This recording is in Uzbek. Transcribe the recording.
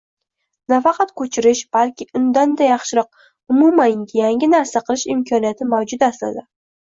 nafaqat koʻchirish, balki undan-da yaxshiroq, umuman yangi narsa qilish imkoniyati mavjud aslida.